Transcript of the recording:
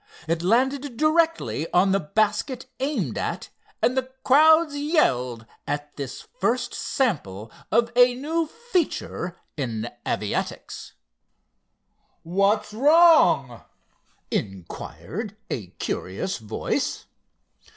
It landed directly on the basket aimed at—and the crowds yelled at this first sample of a new feature in aviatics. "What's wrong?" inquired a curious voice.